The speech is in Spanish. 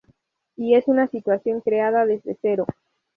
Y es una situación creada desde cero.